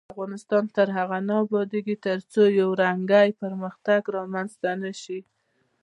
افغانستان تر هغو نه ابادیږي، ترڅو یو رنګی پرمختګ رامنځته نشي.